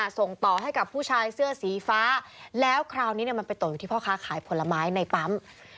ส่งต่อให้กับผู้ชายเสื้อสีฟ้าแล้วคราวนี้มันไปตกอยู่ที่พ่อค้าขายผลไม้ในปั๊ม